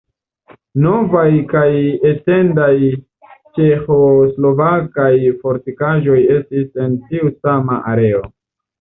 Novaj kaj etendaj ĉeĥoslovakaj fortikaĵoj estis en tiu sama areo.